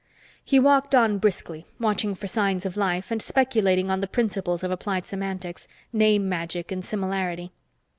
He walked on briskly, watching for signs of life and speculating on the principles of applied semantics, name magic and similarity.